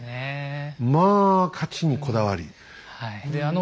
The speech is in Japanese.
まあ勝ちにこだわり。